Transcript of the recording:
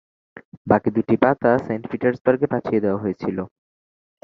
বাকী দুটি পাতা সেইন্ট পিটার্সবার্গে পাঠিয়ে দেয়া হয়েছিল।